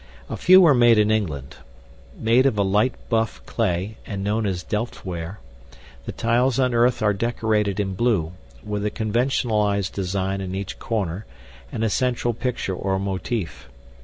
A few were made in England. Made of a light buff clay, and known as delftware, the tiles unearthed are decorated in blue, with a conventionalized design in each corner and a central picture or motif.